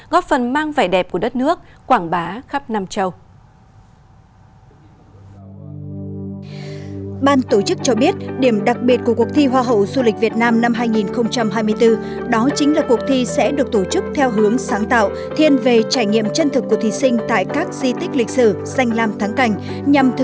góp phần mang vẻ đẹp của đất nước quảng bá khắp nam châu